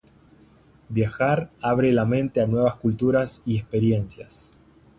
Viajar abre la mente a nuevas culturas y experiencias.